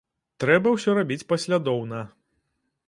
Трэба ўсё рабіць паслядоўна.